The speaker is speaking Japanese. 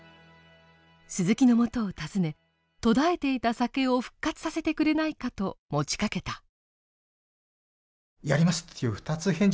鈴木のもとを訪ね途絶えていた酒を復活させてくれないかと持ちかけた。